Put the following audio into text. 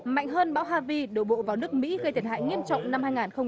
mạnh hơn bão havi đổ bộ vào nước mỹ gây thiệt hại nghiêm trọng năm hai nghìn một mươi chín